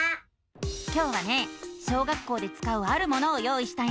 今日はね小学校でつかうあるものを用意したよ！